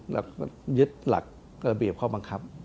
และยึดหลักระบีบข้อบังคับ